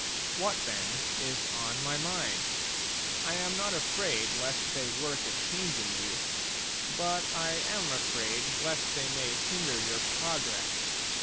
What, then, is on my mind ? I am not afraid lest they work a change in you ; but I am afraid lest they may hinder your progress.